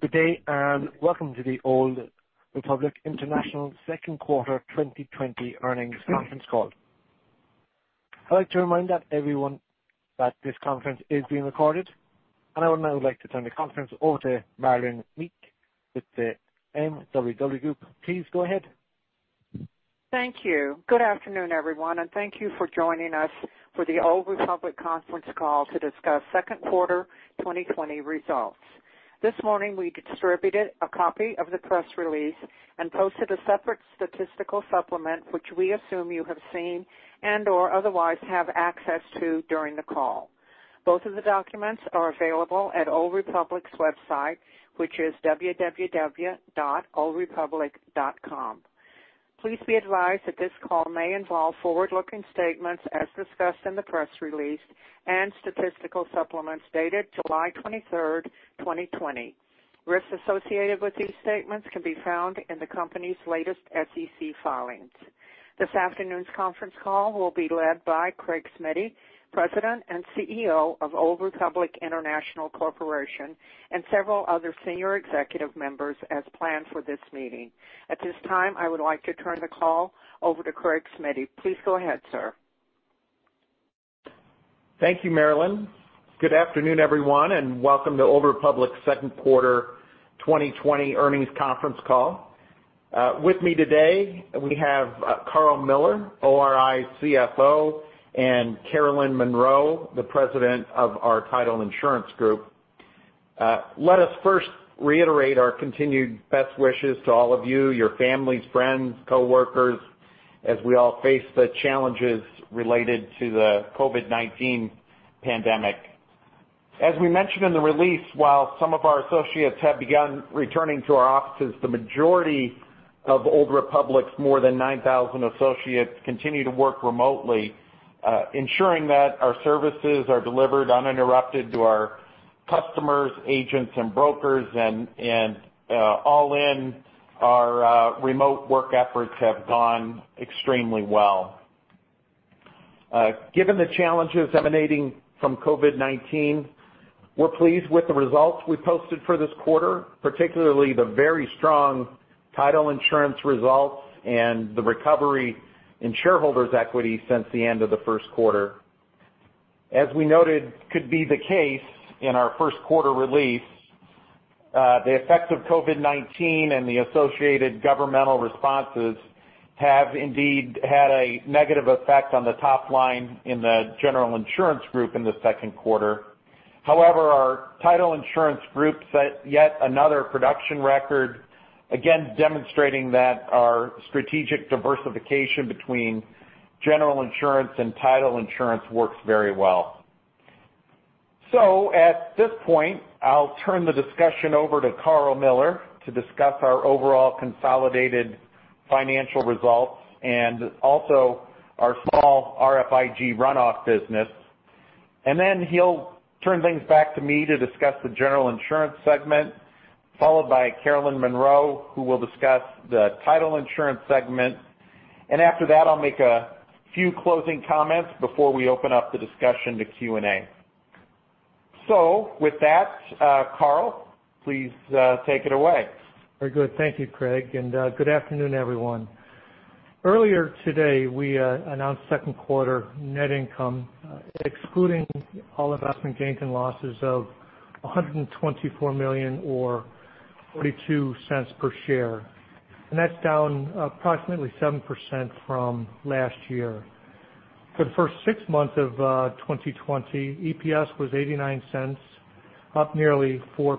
Good day, welcome to the Old Republic International second quarter 2020 earnings conference call. I'd like to remind everyone that this conference is being recorded. I would now like to turn the conference over to Marilyn Meek with the MWW Group. Please go ahead. Thank you. Good afternoon, everyone, and thank you for joining us for the Old Republic conference call to discuss second quarter 2020 results. This morning, we distributed a copy of the press release and posted a separate statistical supplement, which we assume you have seen and/or otherwise have access to during the call. Both of the documents are available at Old Republic's website, which is www.oldrepublic.com. Please be advised that this call may involve forward-looking statements as discussed in the press release and statistical supplements dated July 23rd, 2020. Risks associated with these statements can be found in the company's latest SEC filings. This afternoon's conference call will be led by Craig Smiddy, President and CEO of Old Republic International Corporation, and several other senior executive members as planned for this meeting. At this time, I would like to turn the call over to Craig Smiddy. Please go ahead, sir. Thank you, Marilyn. Good afternoon, everyone, and welcome to Old Republic's second quarter 2020 earnings conference call. With me today, we have Karl Mueller, ORI CFO, and Carolyn Monroe, the President of our Title Insurance Group. Let us first reiterate our continued best wishes to all of you, your families, friends, coworkers, as we all face the challenges related to the COVID-19 pandemic. As we mentioned in the release, while some of our associates have begun returning to our offices, the majority of Old Republic's more than 9,000 associates continue to work remotely, ensuring that our services are delivered uninterrupted to our customers, agents, and brokers, and all in our remote work efforts have gone extremely well. Given the challenges emanating from COVID-19, we're pleased with the results we posted for this quarter, particularly the very strong Title Insurance results and the recovery in shareholders' equity since the end of the first quarter. As we noted could be the case in our first quarter release, the effects of COVID-19 and the associated governmental responses have indeed had a negative effect on the top line in the General Insurance Group in the second quarter. Our Title Insurance Group set yet another production record, again, demonstrating that our strategic diversification between General Insurance and Title Insurance works very well. At this point, I'll turn the discussion over to Karl Mueller to discuss our overall consolidated financial results and also our small RFIG runoff business. He'll turn things back to me to discuss the General Insurance Segment, followed by Carolyn Monroe, who will discuss the Title Insurance Segment. After that, I'll make a few closing comments before we open up the discussion to Q&A. With that, Karl, please take it away. Very good. Thank you, Craig, and good afternoon, everyone. Earlier today, we announced second quarter net income, excluding all investment gains and losses of $124 million or $0.42 per share. That's down approximately 7% from last year. For the first six months of 2020, EPS was $0.89, up nearly 4%.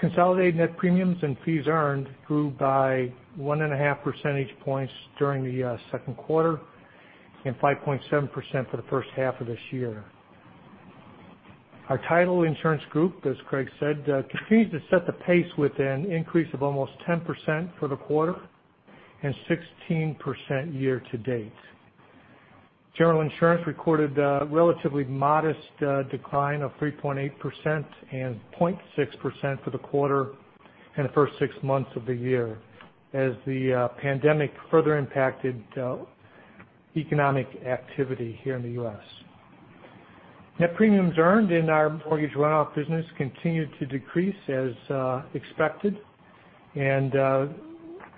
Consolidated net premiums and fees earned grew by one and a half percentage points during the second quarter and 5.7% for the first half of this year. Our Title Insurance Group, as Craig said, continues to set the pace with an increase of almost 10% for the quarter and 16% year-to-date. General Insurance recorded a relatively modest decline of 3.8% and 0.6% for the quarter in the first six months of the year as the pandemic further impacted economic activity here in the U.S. Net premiums earned in our mortgage runoff business continued to decrease as expected,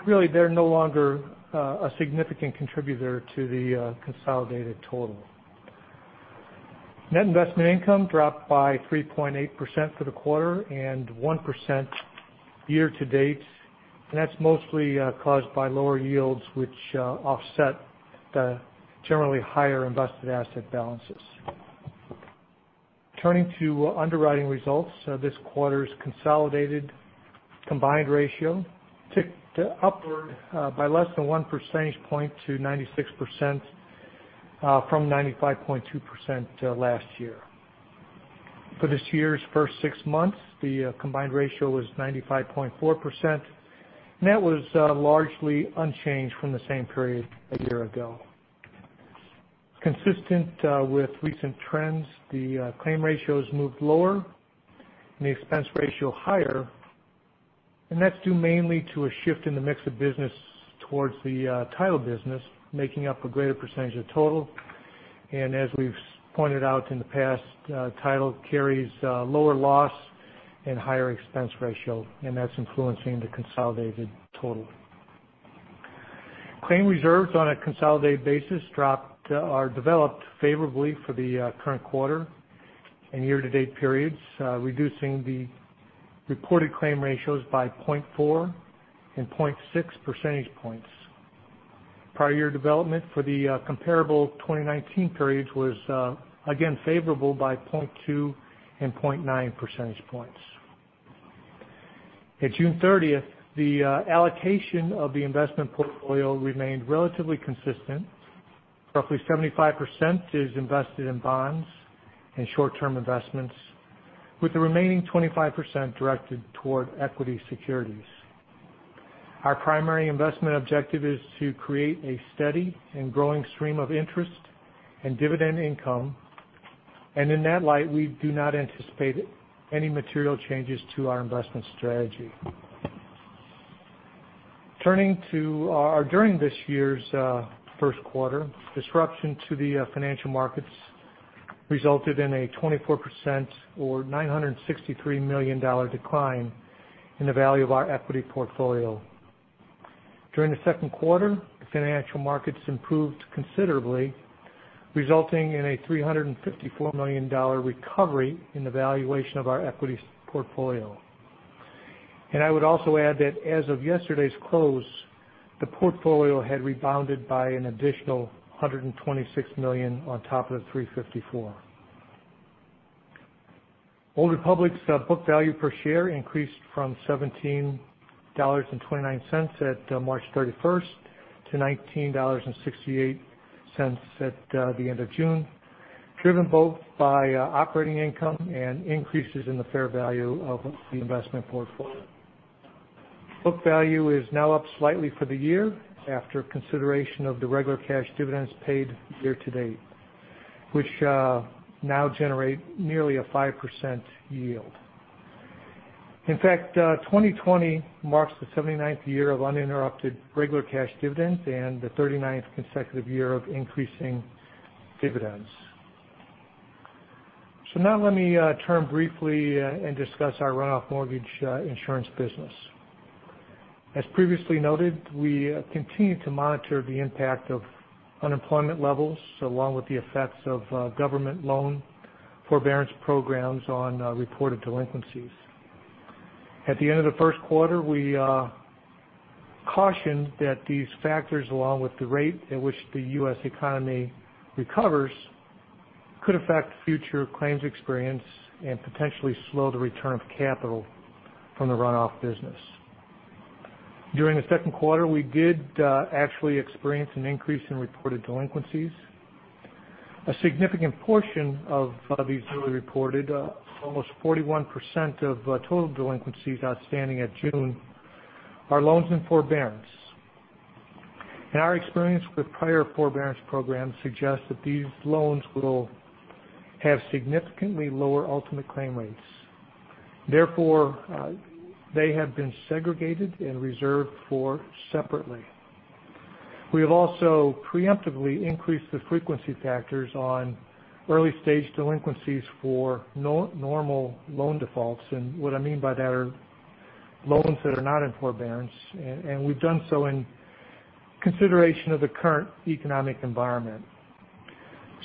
really they're no longer a significant contributor to the consolidated total. Net investment income dropped by 3.8% for the quarter and 1% year-to-date, that's mostly caused by lower yields which offset the generally higher invested asset balances. Turning to underwriting results, this quarter's consolidated combined ratio ticked upward by less than one percentage point to 96% from 95.2% last year. For this year's first six months, the combined ratio was 95.4%, that was largely unchanged from the same period a year ago. Consistent with recent trends, the claim ratios moved lower and the expense ratio higher. That's due mainly to a shift in the mix of business towards the title business, making up a greater percentage of total. As we've pointed out in the past, Title carries lower loss and higher expense ratio, and that's influencing the consolidated total. Claim reserves on a consolidated basis dropped or developed favorably for the current quarter and year-to-date periods, reducing the reported claim ratios by 0.4 and 0.6 percentage points. Prior year development for the comparable 2019 period was again favorable by 0.2 and 0.9 percentage points. At June 30th, the allocation of the investment portfolio remained relatively consistent. Roughly 75% is invested in bonds and short-term investments, with the remaining 25% directed toward equity securities. Our primary investment objective is to create a steady and growing stream of interest in dividend income, and in that light, we do not anticipate any material changes to our investment strategy. During this year's first quarter, disruption to the financial markets resulted in a 24% or $963 million decline in the value of our equity portfolio. During the second quarter, the financial markets improved considerably, resulting in a $354 million recovery in the valuation of our equity portfolio. I would also add that as of yesterday's close, the portfolio had rebounded by an additional $126 million on top of the $354. Old Republic's book value per share increased from $17.29 at March 31st to $19.68 at the end of June, driven both by operating income and increases in the fair value of the investment portfolio. Book value is now up slightly for the year after consideration of the regular cash dividends paid year-to-date, which now generate nearly a 5% yield. In fact, 2020 marks the 79th year of uninterrupted regular cash dividends and the 39th consecutive year of increasing dividends. Now let me turn briefly and discuss our runoff mortgage insurance business. As previously noted, we continue to monitor the impact of unemployment levels, along with the effects of government loan forbearance programs on reported delinquencies. At the end of the first quarter, we cautioned that these factors, along with the rate at which the US economy recovers, could affect future claims experience and potentially slow the return of capital from the runoff business. During the second quarter, we did actually experience an increase in reported delinquencies. A significant portion of these were reported, almost 41% of total delinquencies outstanding at June, are loans in forbearance. Our experience with prior forbearance programs suggests that these loans will have significantly lower ultimate claim rates. Therefore, they have been segregated and reserved for separately. We have also preemptively increased the frequency factors on early-stage delinquencies for normal loan defaults. What I mean by that are loans that are not in forbearance, and we've done so in consideration of the current economic environment.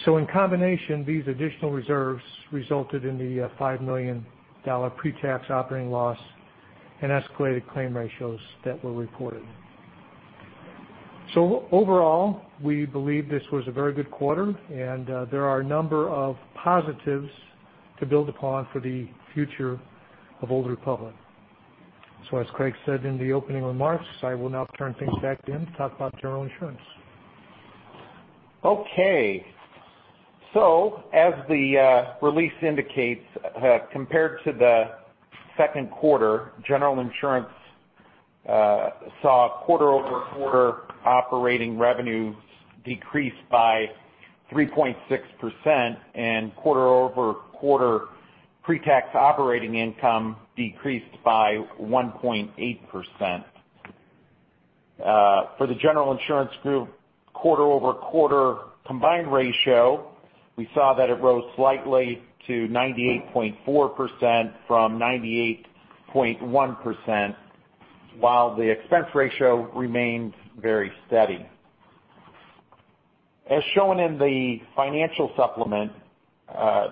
In combination, these additional reserves resulted in the $5 million pre-tax operating loss and escalated claim ratios that were reported. Overall, we believe this was a very good quarter, and there are a number of positives to build upon for the future of Old Republic. As Craig said in the opening remarks, I will now turn things back to him to talk about General Insurance. As the release indicates, compared to the second quarter, General Insurance saw quarter-over-quarter operating revenues decrease by 3.6% and quarter-over-quarter pre-tax operating income decreased by 1.8%. For the General Insurance Group, quarter-over-quarter combined ratio, we saw that it rose slightly to 98.4% from 98.1%, while the expense ratio remained very steady. As shown in the financial supplement,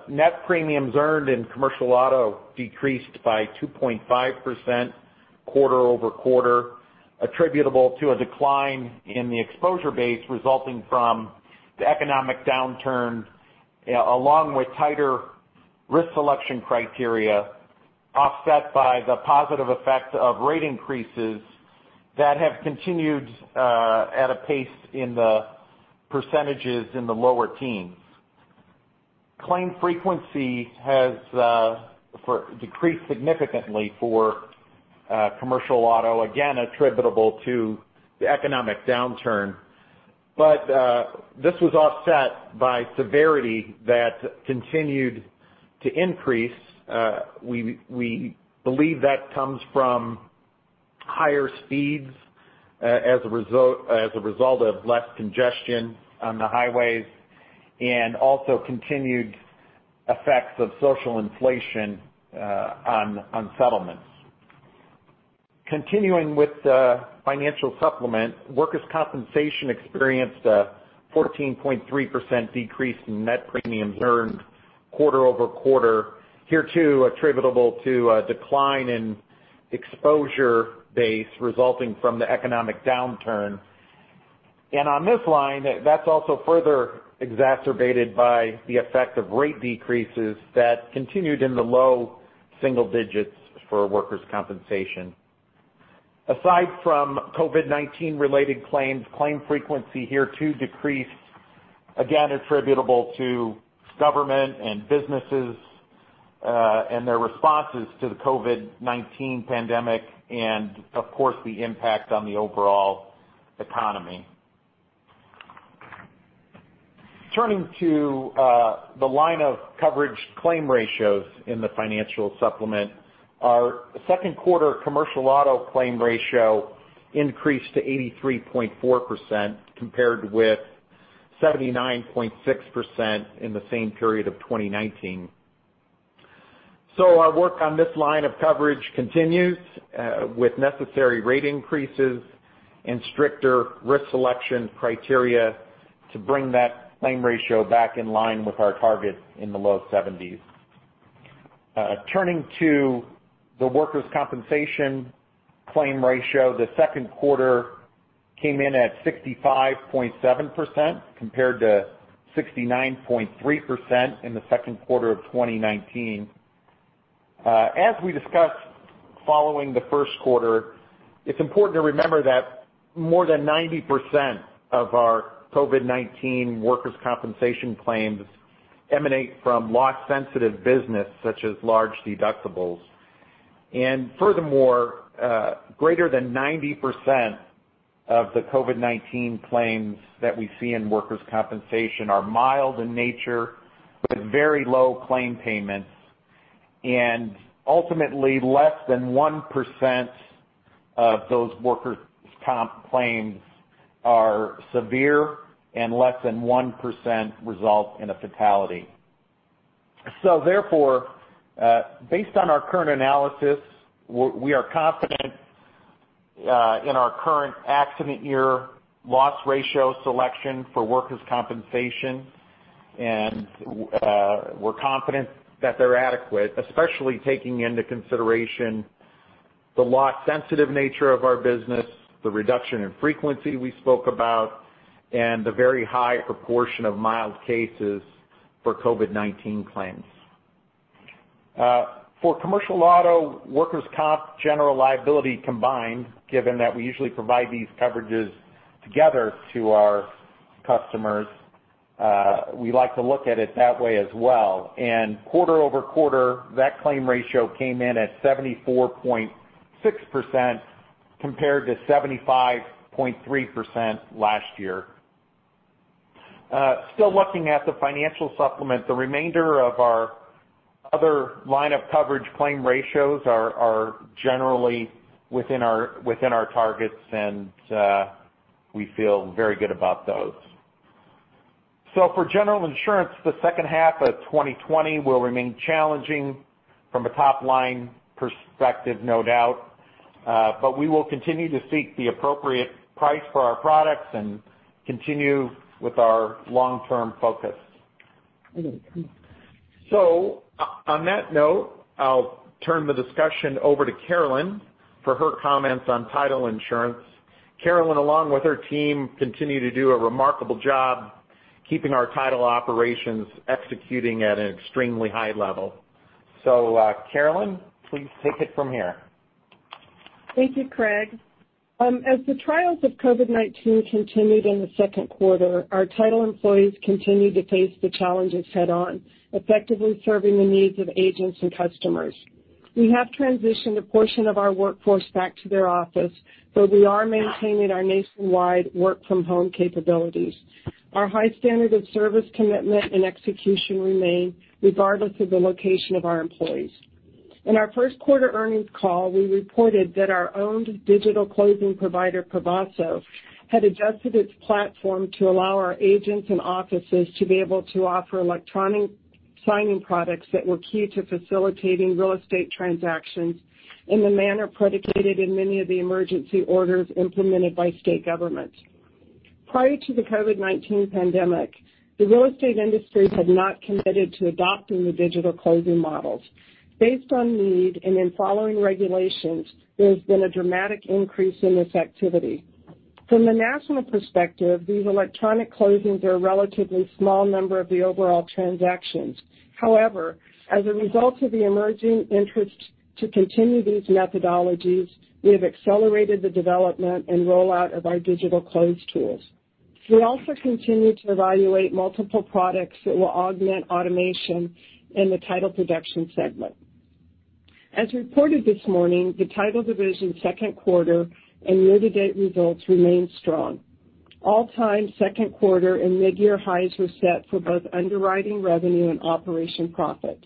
net premiums earned in commercial auto decreased by 2.5% quarter-over-quarter, attributable to a decline in the exposure base resulting from the economic downturn, along with tighter risk selection criteria, offset by the positive effect of rate increases that have continued at a pace in the percentages in the lower teens. Claim frequency has decreased significantly for commercial auto, again, attributable to the economic downturn. This was offset by severity that continued to increase. We believe that comes from higher speeds as a result of less congestion on the highways, and also continued effects of social inflation on settlements. Continuing with the financial supplement, workers' compensation experienced a 14.3% decrease in net premiums earned quarter-over-quarter, here too attributable to a decline in exposure base resulting from the economic downturn. On this line, that's also further exacerbated by the effect of rate decreases that continued in the low single digits for workers' compensation. Aside from COVID-19 related claims, claim frequency here too decreased, again, attributable to government and businesses, and their responses to the COVID-19 pandemic, of course, the impact on the overall economy. Turning to the line of coverage claim ratios in the financial supplement, our second quarter commercial auto claim ratio increased to 83.4%, compared with 79.6% in the same period of 2019. Our work on this line of coverage continues, with necessary rate increases and stricter risk selection criteria to bring that claim ratio back in line with our target in the low 70s. Turning to the workers' compensation claim ratio, the second quarter came in at 65.7%, compared to 69.3% in the second quarter of 2019. As we discussed following the first quarter, it's important to remember that more than 90% of our COVID-19 workers' compensation claims emanate from loss-sensitive business such as large deductibles. Furthermore, greater than 90% of the COVID-19 claims that we see in workers' compensation are mild in nature with very low claim payments, and ultimately, less than 1% of those workers' comp claims are severe and less than 1% result in a fatality. Therefore, based on our current analysis, we are confident in our current accident year loss ratio selection for workers' compensation, and we're confident that they're adequate, especially taking into consideration the loss-sensitive nature of our business, the reduction in frequency we spoke about, and the very high proportion of mild cases for COVID-19 claims. For commercial auto, workers' comp, general liability combined, given that we usually provide these coverages together to our customers, we like to look at it that way as well. Quarter-over-quarter, that claim ratio came in at 74.6%, compared to 75.3% last year. Still looking at the financial supplement, the remainder of our other line of coverage claim ratios are generally within our targets, and we feel very good about those. For General Insurance, the second half of 2020 will remain challenging from a top-line perspective, no doubt, but we will continue to seek the appropriate price for our products and continue with our long-term focus. On that note, I'll turn the discussion over to Carolyn for her comments on title insurance. Carolyn, along with her team, continue to do a remarkable job keeping our title operations executing at an extremely high level. Carolyn, please take it from here. Thank you, Craig. As the trials of COVID-19 continued in the second quarter, our title employees continued to face the challenges head on, effectively serving the needs of agents and customers. We have transitioned a portion of our workforce back to their office, but we are maintaining our nationwide work-from-home capabilities. Our high standard of service commitment and execution remain regardless of the location of our employees. In our first quarter earnings call, we reported that our owned digital closing provider, Pavaso, had adjusted its platform to allow our agents and offices to be able to offer electronic signing products that were key to facilitating real estate transactions in the manner predicated in many of the emergency orders implemented by state governments. Prior to the COVID-19 pandemic, the real estate industry had not committed to adopting the digital closing models. Based on need and in following regulations, there's been a dramatic increase in this activity. From the national perspective, these electronic closings are a relatively small number of the overall transactions. However, as a result of the emerging interest to continue these methodologies, we have accelerated the development and rollout of our digital close tools. We also continue to evaluate multiple products that will augment automation in the title production segment. As reported this morning, the title division second quarter and year-to-date results remain strong. All-time second quarter and mid-year highs were set for both underwriting revenue and operation profit.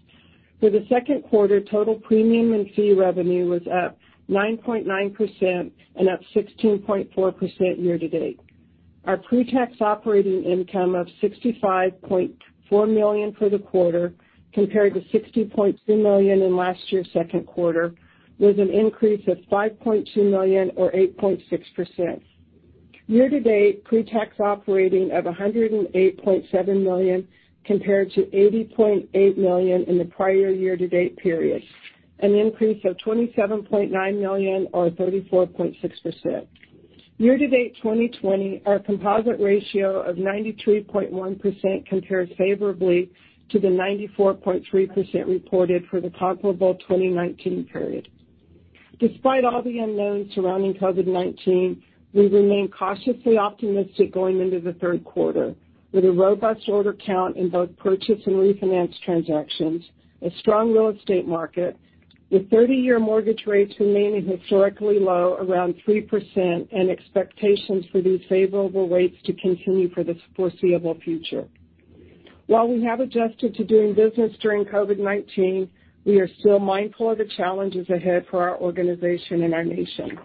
For the second quarter, total premium and fee revenue was up 9.9% and up 16.4% year-to-date. Our pre-tax operating income of $65.4 million for the quarter, compared to $60.2 million in last year's second quarter, was an increase of $5.2 million or 8.6%. Year-to-date pre-tax operating of $108.7 million compared to $80.8 million in the prior year-to-date period, an increase of $27.9 million or 34.6%. Year-to-date 2020, our composite ratio of 93.1% compares favorably to the 94.3% reported for the comparable 2019 period. Despite all the unknowns surrounding COVID-19, we remain cautiously optimistic going into the third quarter with a robust order count in both purchase and refinance transactions, a strong real estate market, with 30-year mortgage rates remaining historically low around 3%, and expectations for these favorable rates to continue for the foreseeable future. While we have adjusted to doing business during COVID-19, we are still mindful of the challenges ahead for our organization and our nation.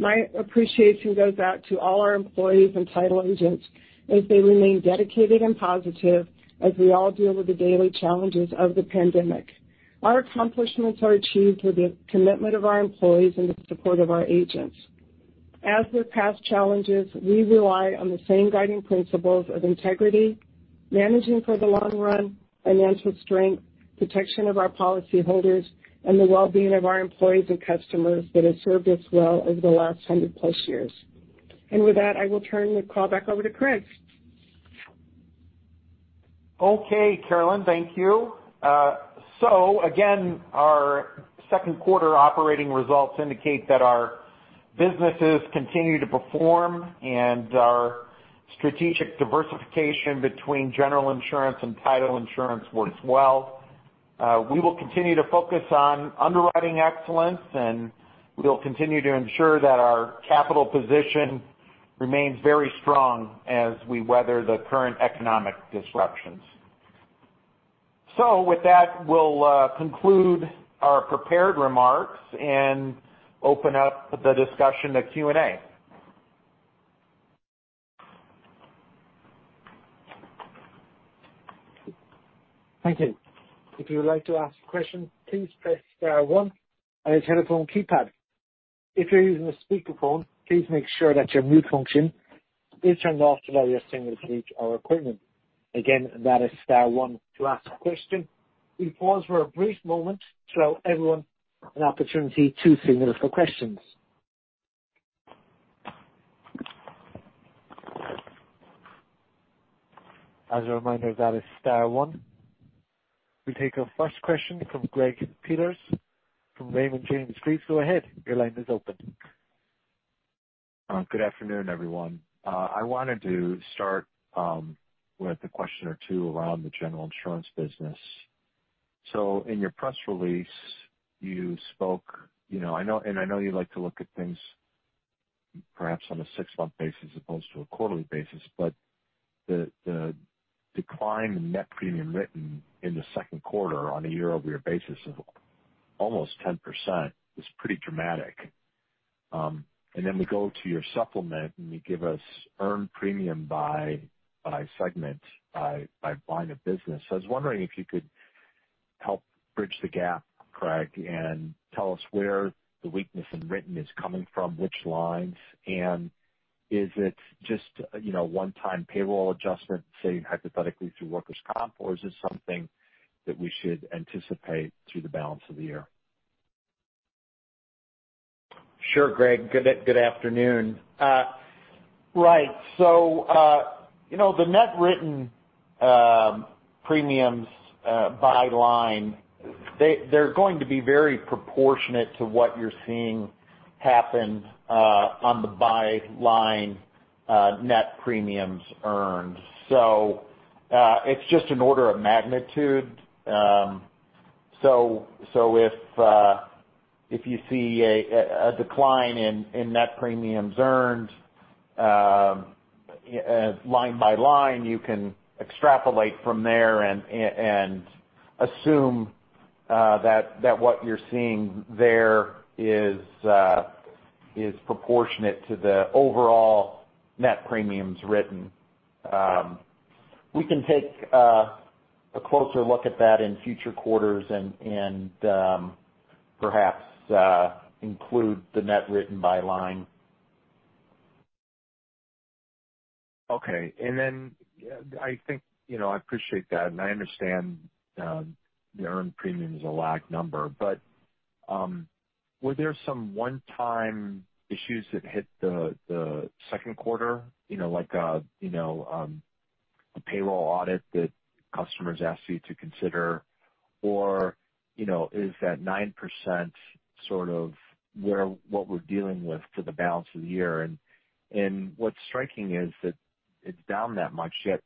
My appreciation goes out to all our employees and title agents as they remain dedicated and positive as we all deal with the daily challenges of the pandemic. Our accomplishments are achieved through the commitment of our employees and the support of our agents. As with past challenges, we rely on the same guiding principles of integrity, managing for the long run, financial strength, protection of our policyholders, and the well-being of our employees and customers that have served us well over the last 100+ years. With that, I will turn the call back over to Craig. Okay, Carolyn. Thank you. Again, our second quarter operating results indicate that our businesses continue to perform and our strategic diversification between General Insurance and title insurance works well. We will continue to focus on underwriting excellence, and we will continue to ensure that our capital position remains very strong as we weather the current economic disruptions. With that, we'll conclude our prepared remarks and open up the discussion to Q&A. Thank you. If you would like to ask a question, please press star one on your telephone keypad. If you're using a speakerphone, please make sure that your mute function is turned off to allow your signal to reach our equipment. Again, that is star one to ask a question. We pause for a brief moment to allow everyone an opportunity to signal for questions. As a reminder, that is star one. We take our first question from Greg Peters from Raymond James. Please go ahead. Your line is open. Good afternoon, everyone. I wanted to start with a question or two around the General Insurance business. In your press release, you spoke, and I know you like to look at things perhaps on a six-month basis as opposed to a quarterly basis, but the decline in net premium written in the second quarter on a year-over-year basis of almost 10% is pretty dramatic. We go to your supplement, and you give us earned premium by segment, by line of business. I was wondering if you could help bridge the gap, Craig, and tell us where the weakness in written is coming from, which lines, and is it just a one-time payroll adjustment, say, hypothetically through workers' comp, or is this something that we should anticipate through the balance of the year? Sure, Greg. Good afternoon. Right. The net written premiums by line, they're going to be very proportionate to what you're seeing happen on the by-line net premiums earned. It's just an order of magnitude. If you see a decline in net premiums earned line by line, you can extrapolate from there and assume that what you're seeing there is proportionate to the overall net premiums written. We can take a closer look at that in future quarters and perhaps include the net written by line. Okay. I appreciate that. I understand the earned premium is a lagged number. Were there some one-time issues that hit the second quarter, like a payroll audit that customers asked you to consider? Is that 9% sort of what we're dealing with for the balance of the year? What's striking is that it's down that much, yet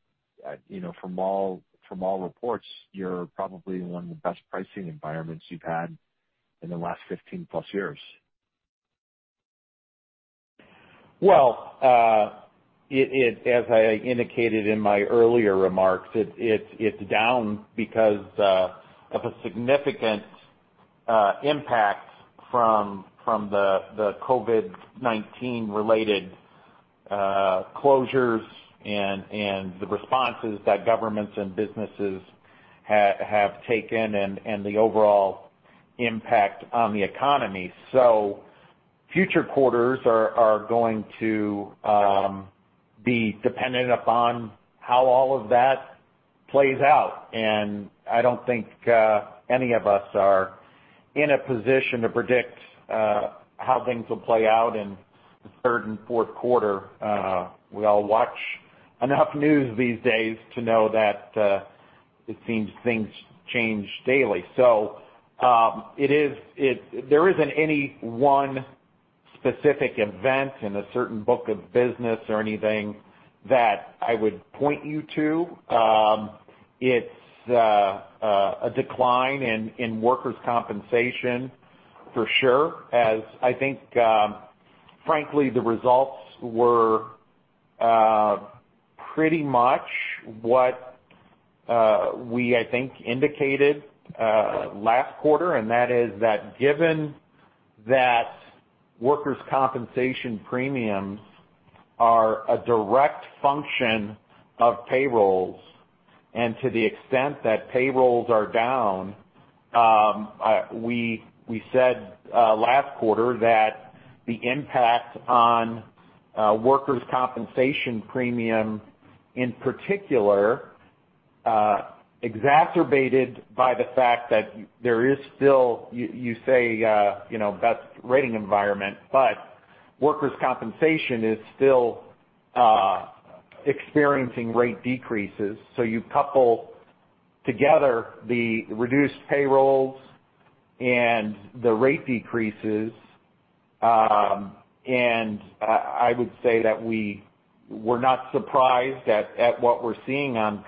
from all reports, you're probably in one of the best pricing environments you've had in the last 15+ years. Well, as I indicated in my earlier remarks, it's down because of a significant impact from the COVID-19 related closures and the responses that governments and businesses have taken and the overall impact on the economy. Future quarters are going to be dependent upon how all of that plays out. I don't think any of us are in a position to predict how things will play out in the third and fourth quarter. We all watch enough news these days to know that it seems things change daily. There isn't any one specific event in a certain book of business or anything that I would point you to. It's a decline in workers' compensation for sure, as I think, frankly, the results were pretty much what we indicated last quarter, and that is that given that workers' compensation premiums are a direct function of payrolls, and to the extent that payrolls are down, we said last quarter that the impact on workers' compensation premium, in particular, exacerbated by the fact that there is still, you say, best rating environment. Workers' compensation is still experiencing rate decreases. You couple together the reduced payrolls and the rate decreases, and I would say that we were not surprised at what we're seeing on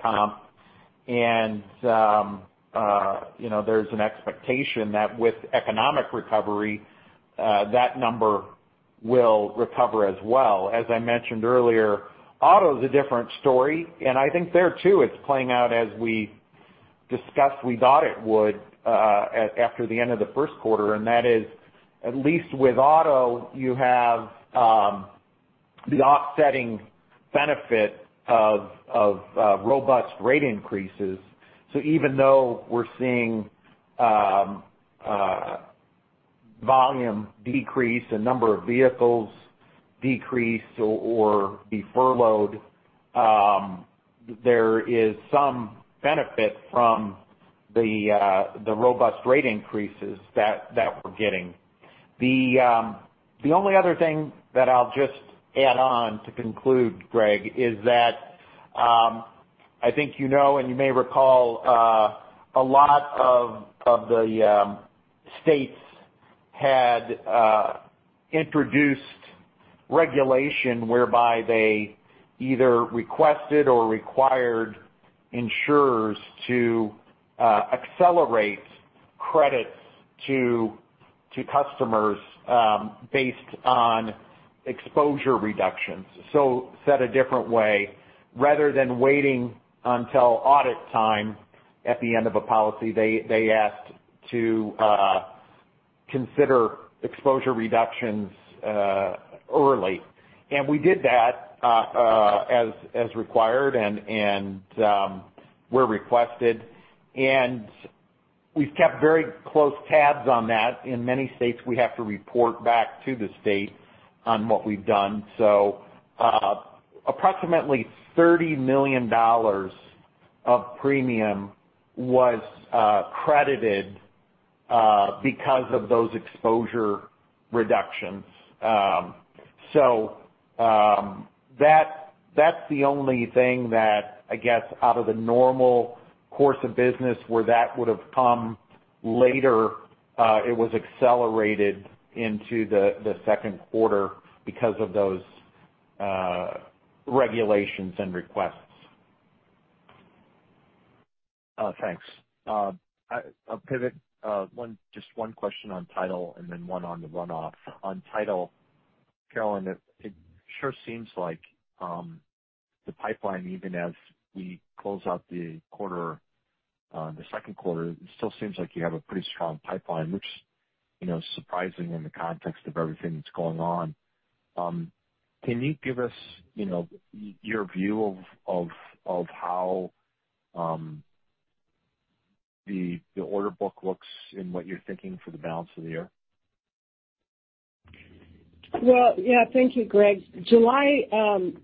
comp. There's an expectation that with economic recovery, that number will recover as well. As I mentioned earlier, auto's a different story, and I think there, too, it's playing out as we discussed we thought it would after the end of the first quarter, and that is, at least with auto, you have the offsetting benefit of robust rate increases. Even though we're seeing volume decrease, the number of vehicles decrease or be furloughed, there is some benefit from the robust rate increases that we're getting. The only other thing that I'll just add on to conclude, Greg, is that I think you know and you may recall, a lot of the states had introduced regulation whereby they either requested or required insurers to accelerate credits to customers based on exposure reductions. Said a different way, rather than waiting until audit time at the end of a policy, they asked to consider exposure reductions early. We did that as required and where requested, and we've kept very close tabs on that. In many states, we have to report back to the state on what we've done. Approximately $30 million of premium was credited because of those exposure reductions. That's the only thing that, I guess out of the normal course of business where that would've come later, it was accelerated into the second quarter because of those regulations and requests. Thanks. I'll pivot. Just one question on title and then one on the runoff. On title, Carolyn, it sure seems like the pipeline, even as we close out the second quarter, it still seems like you have a pretty strong pipeline, which is surprising in the context of everything that's going on. Can you give us your view of how the order book looks and what you're thinking for the balance of the year? Well, yeah. Thank you, Greg. July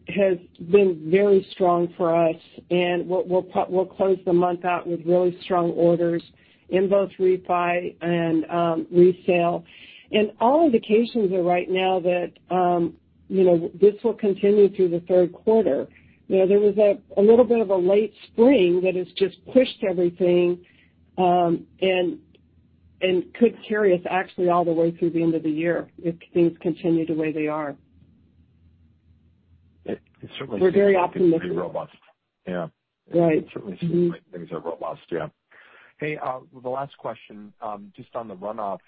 has been very strong for us, and we'll close the month out with really strong orders in both refi and resale. All indications are right now that this will continue through the third quarter. There was a little bit of a late spring that has just pushed everything, and could carry us actually all the way through the end of the year if things continue the way they are. It certainly seems like things are pretty robust. Yeah. Right. Mm-hmm. It certainly seems like things are robust. Yeah. Hey, the last question, just on the runoff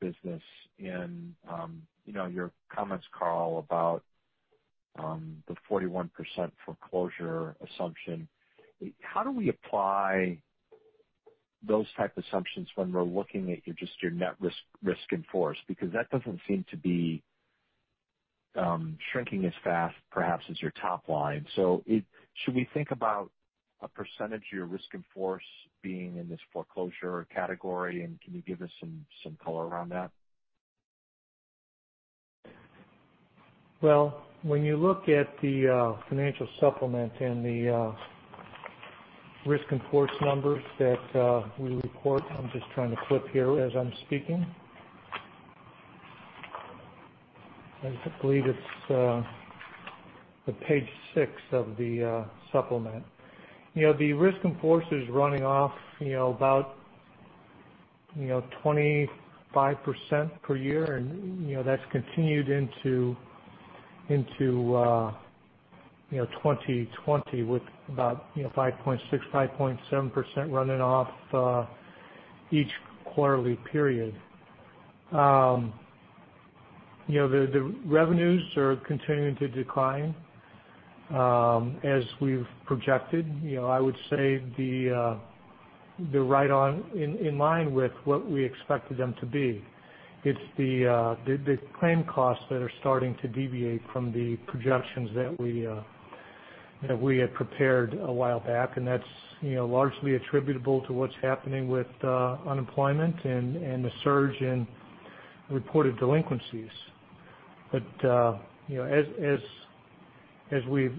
business and your comments, Karl, about the 41% foreclosure assumption. How do we apply those type assumptions when we're looking at just your net risk in force? That doesn't seem to be shrinking as fast perhaps as your top line. Should we think about a percentage of your risk in force being in this foreclosure category? Can you give us some color around that? Well, when you look at the financial supplement and the risk in force numbers that we report. I'm just trying to flip here as I'm speaking. I believe it's page six of the supplement. The risk in force is running off about 25% per year, and that's continued into 2020 with about 5.6%, 5.7% running off each quarterly period. The revenues are continuing to decline as we've projected. I would say they're in line with what we expected them to be. It's the claim costs that are starting to deviate from the projections that we had prepared a while back, and that's largely attributable to what's happening with unemployment and the surge in reported delinquencies. As we've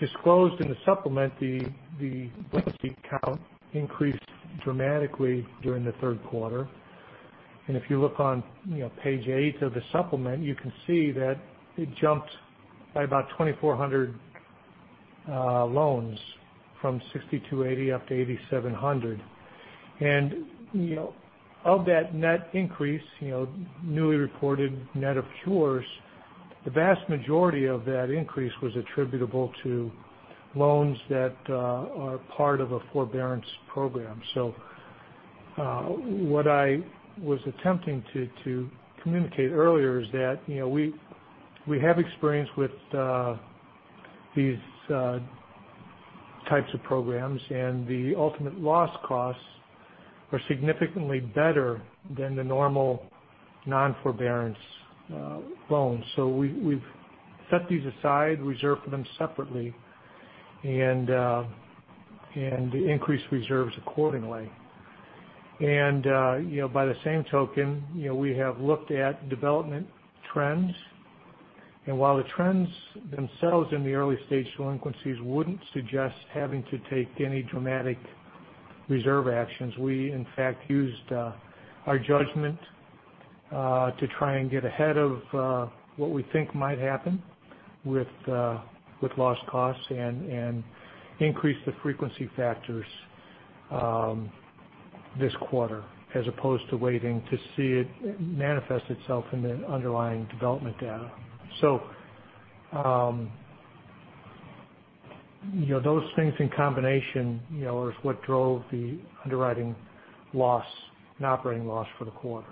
disclosed in the supplement, the delinquency count increased dramatically during the third quarter. If you look on page eight of the supplement, you can see that it jumped by about 2,400 loans from 6,280 up to 8,700. Of that net increase, newly reported net of cures, the vast majority of that increase was attributable to loans that are part of a forbearance program. What I was attempting to communicate earlier is that we have experience with these types of programs, and the ultimate loss costs are significantly better than the normal non-forbearance loans. We've set these aside, reserved for them separately, and increased reserves accordingly. By the same token, we have looked at development trends. While the trends themselves in the early stage delinquencies wouldn't suggest having to take any dramatic reserve actions. We, in fact, used our judgment to try and get ahead of what we think might happen with loss costs and increase the frequency factors this quarter as opposed to waiting to see it manifest itself in the underlying development data. Those things in combination is what drove the underwriting loss and operating loss for the quarter.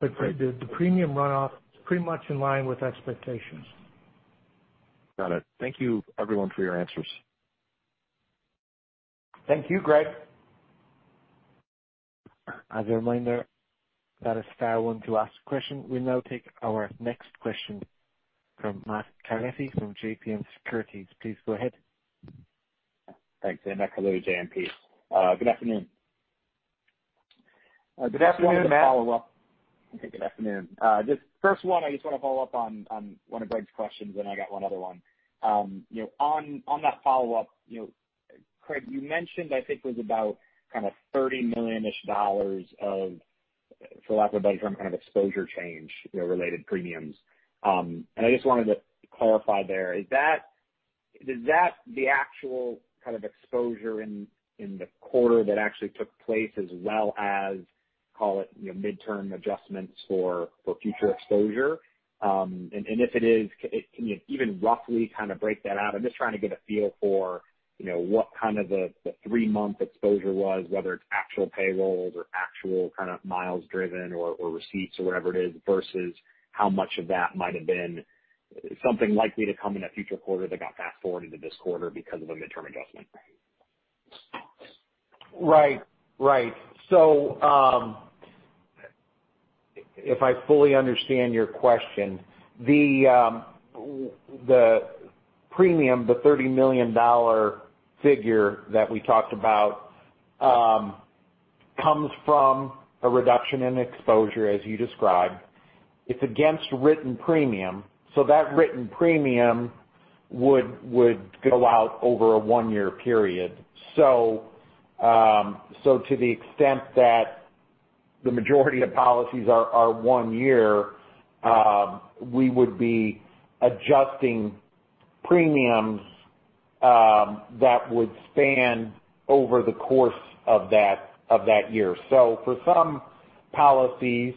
The premium runoff is pretty much in line with expectations. Got it. Thank you everyone for your answers. Thank you, Greg. As a reminder, that is our one to ask a question. We now take our next question from Matthew Carletti from JMP Securities. Please go ahead. Thanks. Matthew Carletti, JMP. Good afternoon. Good afternoon, Matt. Okay. Good afternoon. First one, I just want to follow up on one of Greg's questions, then I got one other one. On that follow-up, Craig, you mentioned, I think it was about $30 million-ish of, for lack of a better term, exposure change, related premiums. I just wanted to clarify there. Is that the actual exposure in the quarter that actually took place as well as, call it, midterm adjustments for future exposure? If it is, can you even roughly break that out? I'm just trying to get a feel for what the three-month exposure was, whether it's actual payrolls or actual miles driven or receipts or whatever it is, versus how much of that might've been something likely to come in a future quarter that got fast-forwarded to this quarter because of a midterm adjustment. Right. If I fully understand your question, the premium, the $30 million figure that we talked about comes from a reduction in exposure, as you described. It's against written premium, so that written premium would go out over a one-year period. To the extent that the majority of policies are one year, we would be adjusting premiums That would span over the course of that year. For some policies,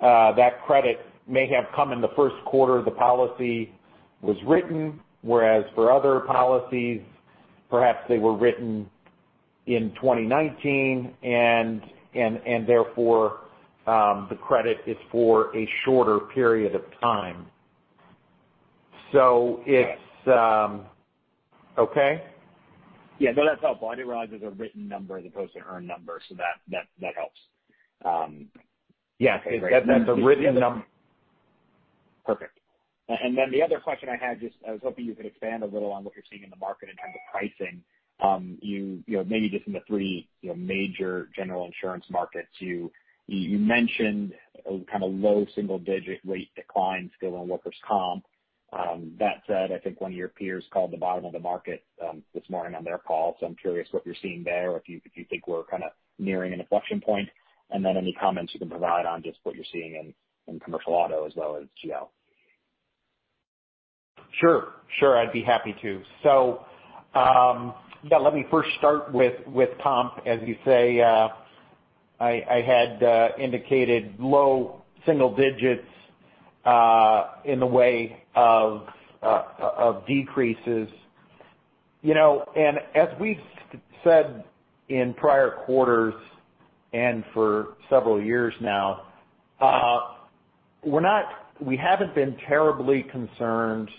that credit may have come in the first quarter the policy was written, whereas for other policies, perhaps they were written in 2019, and therefore, the credit is for a shorter period of time. Okay? Yeah. No, that's helpful. I didn't realize there's a written number as opposed to an earned number. That helps. Yeah. Perfect. The other question I had, I was hoping you could expand a little on what you're seeing in the market in terms of pricing. Maybe in the three major General Insurance markets. You mentioned kind of low single-digit rate declines still on workers' comp. That said, I think one of your peers called the bottom of the market this morning on their call. I'm curious what you're seeing there or if you think we're kind of nearing an inflection point, and then any comments you can provide on what you're seeing in commercial auto as well as GL. Sure. I'd be happy to. Yeah, let me first start with comp. As you say, I had indicated low single digits in the way of decreases. As we've said in prior quarters and for several years now, we haven't been terribly concerned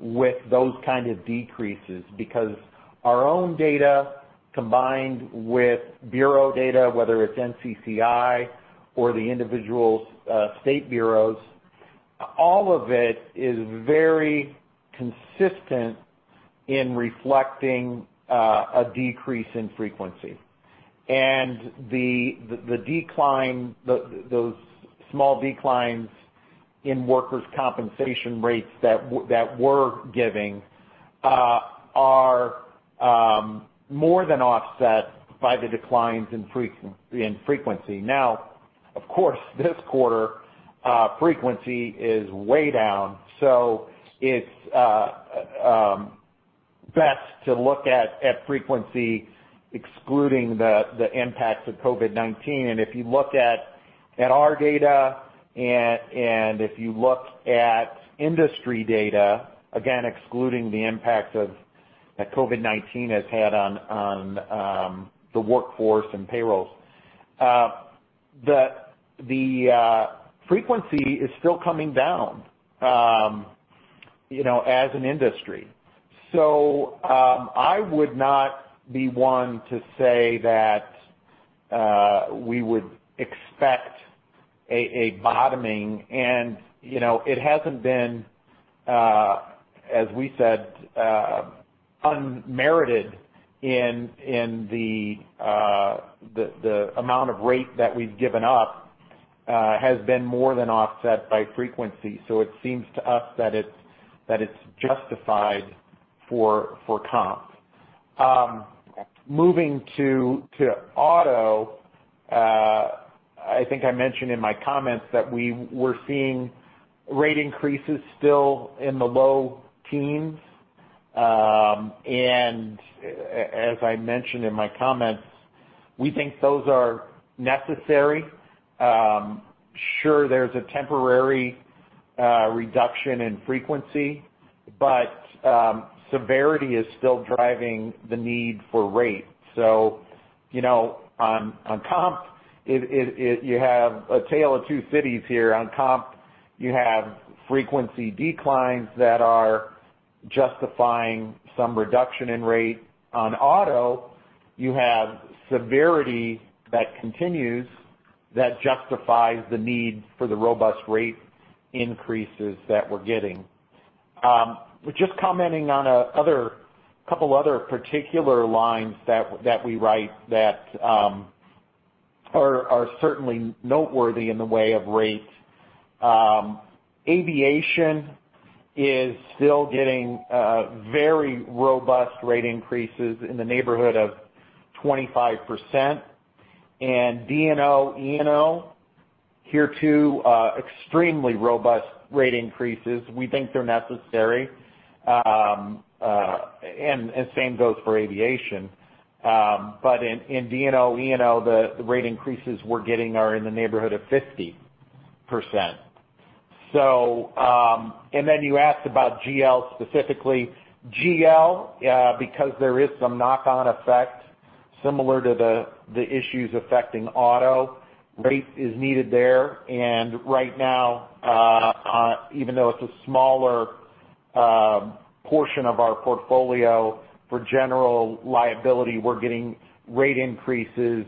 with those kind of decreases because our own data, combined with bureau data, whether it's NCCI or the individual state bureaus, all of it is very consistent in reflecting a decrease in frequency. Those small declines in workers' compensation rates that we're giving are more than offset by the declines in frequency. Now, of course, this quarter, frequency is way down, so it's best to look at frequency excluding the impacts of COVID-19. If you looked at our data and if you looked at industry data, again, excluding the impact that COVID-19 has had on the workforce and payrolls, the frequency is still coming down as an industry. I would not be one to say that we would expect a bottoming and it hasn't been, as we said, unmerited in the amount of rate that we've given up has been more than offset by frequency. It seems to us that it's justified for comp. Moving to auto, I think I mentioned in my comments that we're seeing rate increases still in the low teens. As I mentioned in my comments, we think those are necessary. Sure, there's a temporary reduction in frequency, but severity is still driving the need for rate. On comp, you have a tale of two cities here. On comp, you have frequency declines that are justifying some reduction in rate. On auto, you have severity that continues that justifies the need for the robust rate increases that we're getting. Just commenting on a couple other particular lines that we write that are certainly noteworthy in the way of rate. Aviation is still getting very robust rate increases in the neighborhood of 25%. D&O, E&O, hereto extremely robust rate increases. We think they're necessary. Same goes for aviation. In D&O, E&O, the rate increases we're getting are in the neighborhood of 50%. Then you asked about GL specifically. GL, because there is some knock-on effect similar to the issues affecting auto, rate is needed there. Right now, even though it's a smaller portion of our portfolio for general liability, we're getting rate increases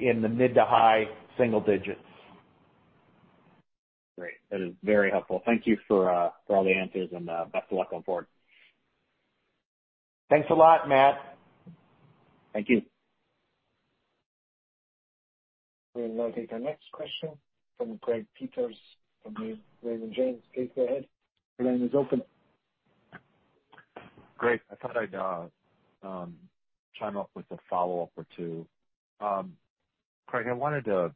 in the mid to high single digits. Great. That is very helpful. Thank you for all the answers and best of luck going forward. Thanks a lot, Matt. Thank you. We'll now take our next question from Greg Peters from Raymond James. Greg, go ahead. Your line is open. Greg, I thought I'd chime up with a follow-up or two. Craig, I wanted to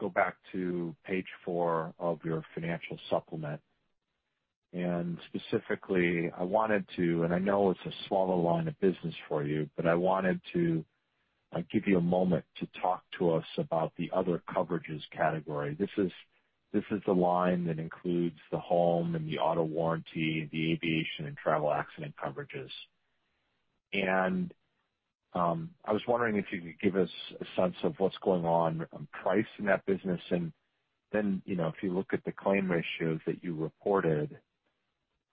go back to page four of your financial supplement. Specifically, I wanted to, and I know it's a smaller line of business for you, but I wanted to give you a moment to talk to us about the other coverages category. This is the line that includes the home and the auto warranty, the aviation and travel accident coverages. I was wondering if you could give us a sense of what's going on on price in that business, then, if you look at the claim ratios that you reported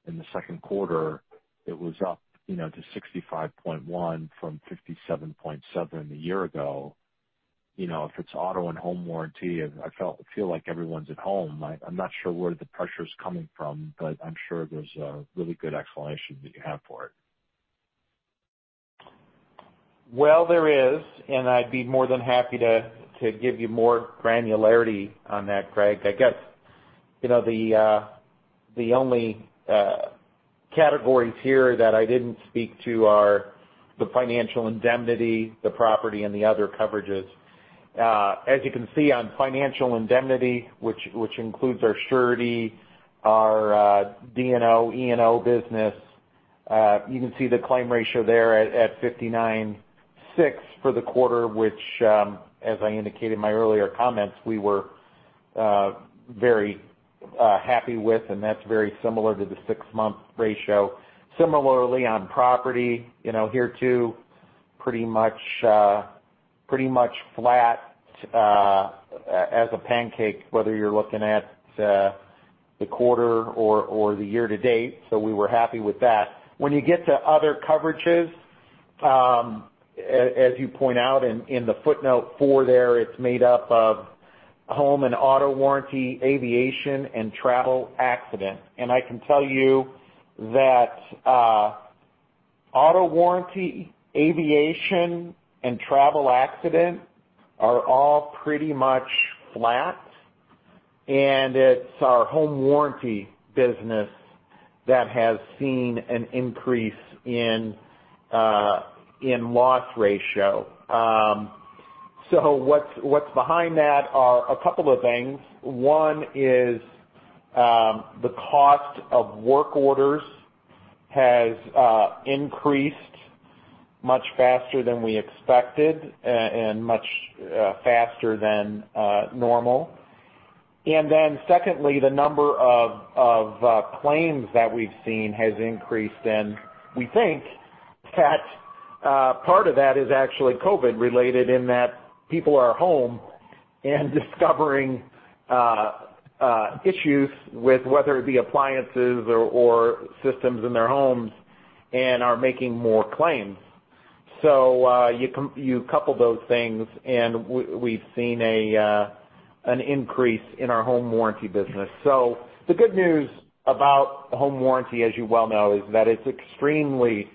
in the second quarter, it was up to 65.1 from 57.7 a year ago. If it's auto and home warranty, I feel like everyone's at home. I'm not sure where the pressure's coming from, but I'm sure there's a really good explanation that you have for it. Well, there is, and I'd be more than happy to give you more granularity on that, Craig. I guess, the only categories here that I didn't speak to are the financial indemnity, the property, and the other coverages. As you can see on financial indemnity, which includes our surety, our D&O, E&O business. You can see the claim ratio there at 59.6% for the quarter, which, as I indicated in my earlier comments, we were very happy with, and that's very similar to the six-month ratio. On property, here too, pretty much flat as a pancake, whether you're looking at the quarter or the year-to-date. We were happy with that. When you get to other coverages, as you point out in the footnote four there, it's made up of home and auto warranty, aviation, and travel accident. I can tell you that auto warranty, aviation, and travel accident are all pretty much flat. It's our home warranty business that has seen an increase in loss ratio. What's behind that are a couple of things. One is the cost of work orders has increased much faster than we expected and much faster than normal. Then secondly, the number of claims that we've seen has increased, and we think that part of that is actually COVID-19 related in that people are home and discovering issues with whether it be appliances or systems in their homes and are making more claims. You couple those things, and we've seen an increase in our home warranty business. The good news about home warranty, as you well know, is that it's extremely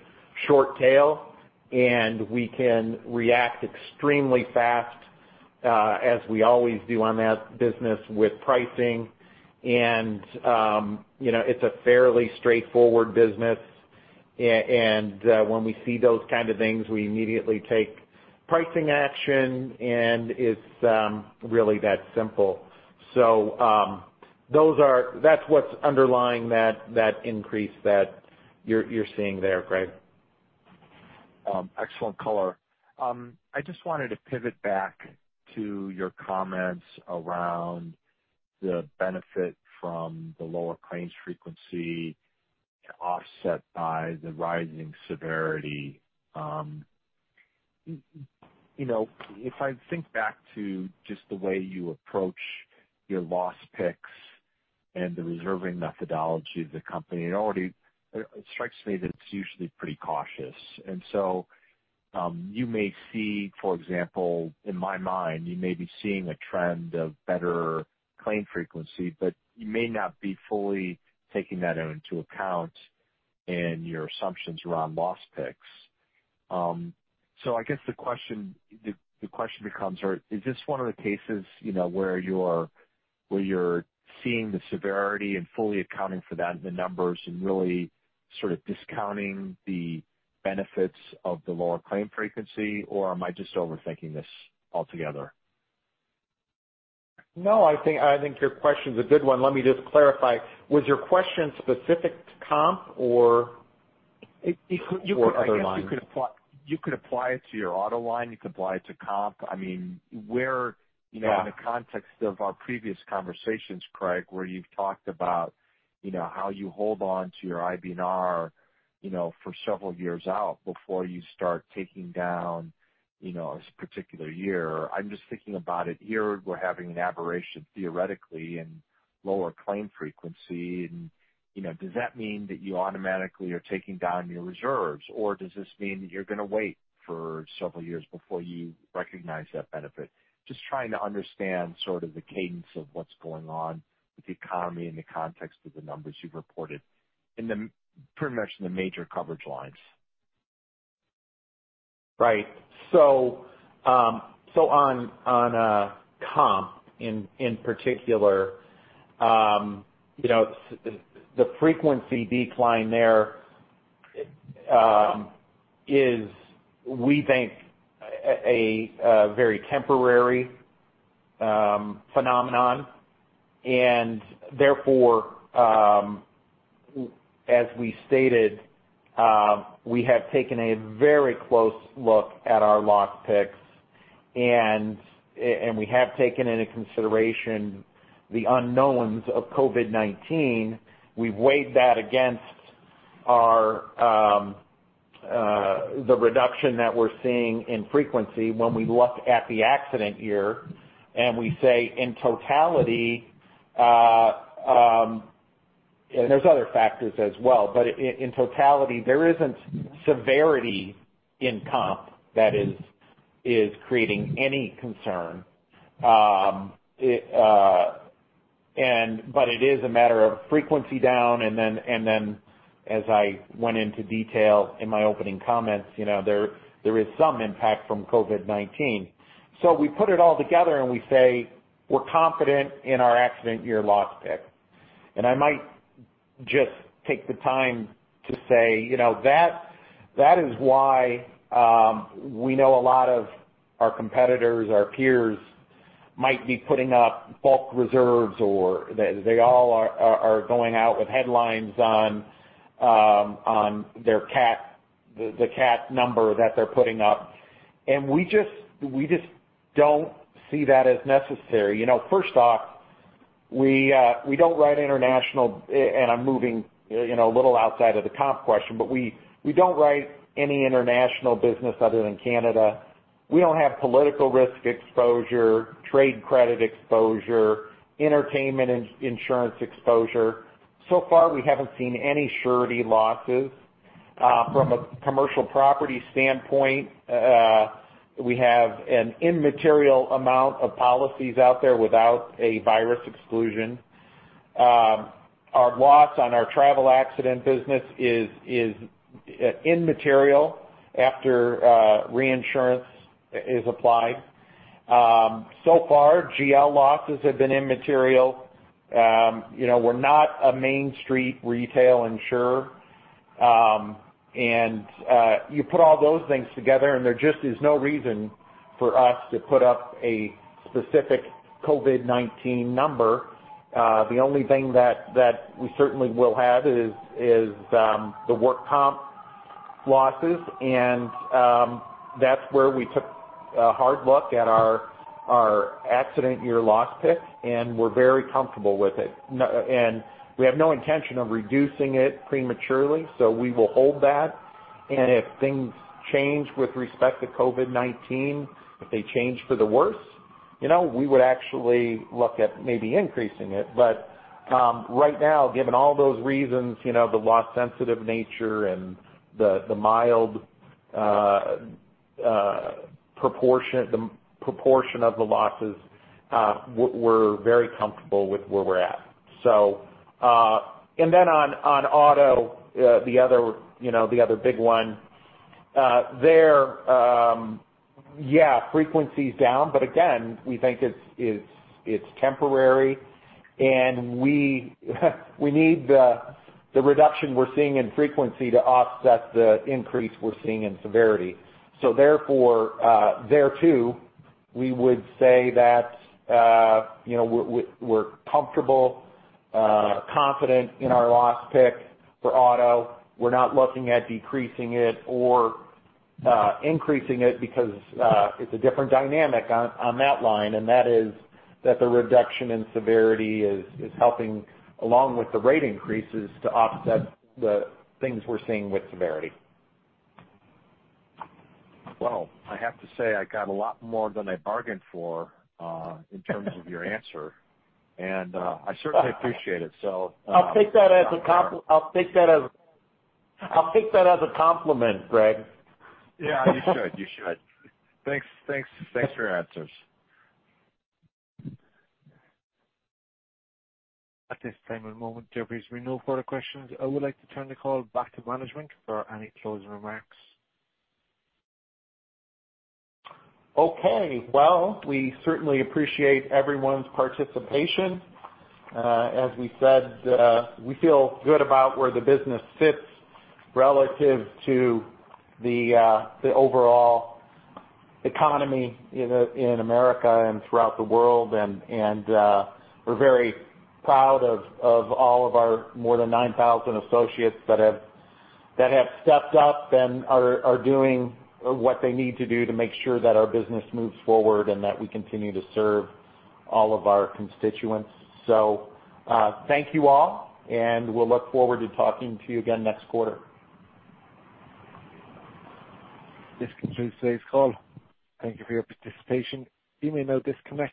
short tail, and we can react extremely fast, as we always do on that business with pricing. It's a fairly straightforward business. When we see those kind of things, we immediately take pricing action, and it's really that simple. That's what's underlying that increase that you're seeing there, Craig. Excellent color. I just wanted to pivot back to your comments around the benefit from the lower claims frequency offset by the rising severity. If I think back to just the way you approach your loss picks and the reserving methodology of the company, and already it strikes me that it's usually pretty cautious. You may see, for example, in my mind, you may be seeing a trend of better claim frequency, but you may not be fully taking that into account in your assumptions around loss picks. I guess the question becomes, is this one of the cases where you're seeing the severity and fully accounting for that in the numbers and really sort of discounting the benefits of the lower claim frequency, or am I just overthinking this altogether? No, I think your question's a good one. Let me just clarify. Was your question specific to comp? You could- Other lines? You could apply it to your auto line. You could apply it to comp. I mean. Yeah in the context of our previous conversations, Craig, where you've talked about how you hold onto your IBNR for several years out before you start taking down this particular year. I'm just thinking about it. Here, we're having an aberration, theoretically, in lower claim frequency, does that mean that you automatically are taking down your reserves? Does this mean that you're going to wait for several years before you recognize that benefit? Just trying to understand sort of the cadence of what's going on with the economy in the context of the numbers you've reported in the pretty much the major coverage lines. Right. On comp in particular, the frequency decline there is, we think, a very temporary phenomenon and therefore, as we stated, we have taken a very close look at our loss picks, and we have taken into consideration the unknowns of COVID-19. We've weighed that against the reduction that we're seeing in frequency when we look at the accident year, and we say in totality, and there's other factors as well, but in totality, there isn't severity in comp that is creating any concern. It is a matter of frequency down, as I went into detail in my opening comments, there is some impact from COVID-19. We put it all together, and we say we're confident in our accident year loss pick. I might just take the time to say, that is why we know a lot of our competitors, our peers, might be putting up bulk reserves, or they all are going out with headlines on the CAT number that they're putting up. We just don't see that as necessary. First off, we don't write international, and I'm moving a little outside of the comp question, but we don't write any international business other than Canada. We don't have political risk exposure, trade credit exposure, entertainment insurance exposure. So far, we haven't seen any surety losses. From a commercial property standpoint, we have an immaterial amount of policies out there without a virus exclusion. Our loss on our travel accident business is immaterial after reinsurance is applied. So far, GL losses have been immaterial. We're not a main street retail insurer. You put all those things together, and there just is no reason for us to put up a specific COVID-19 number. The only thing that we certainly will have is the work comp losses, and that's where we took a hard look at our accident year loss pick, and we're very comfortable with it. We have no intention of reducing it prematurely, so we will hold that. If things change with respect to COVID-19, if they change for the worse, we would actually look at maybe increasing it. Right now, given all those reasons, the loss-sensitive nature and the mild proportion of the losses, we're very comfortable with where we're at. Then on auto, the other big one. There, yeah, frequency's down. Again, we think it's temporary, and we need the reduction we're seeing in frequency to offset the increase we're seeing in severity. Therefore, there too, we would say that we're comfortable, confident in our loss pick for auto. We're not looking at decreasing it or increasing it because it's a different dynamic on that line. That is that the reduction in severity is helping, along with the rate increases, to offset the things we're seeing with severity. Well, I have to say, I got a lot more than I bargained for in terms of your answer, and I certainly appreciate it. I'll take that as a compliment, Greg. Yeah, you should. Thanks for your answers. At this time, at the moment, there appears to be no further questions. I would like to turn the call back to management for any closing remarks. Okay. Well, we certainly appreciate everyone's participation. As we said, we feel good about where the business sits relative to the overall economy in America and throughout the world. We're very proud of all of our more than 9,000 associates that have stepped up and are doing what they need to do to make sure that our business moves forward and that we continue to serve all of our constituents. Thank you all, and we'll look forward to talking to you again next quarter. This concludes today's call. Thank you for your participation. You may now disconnect.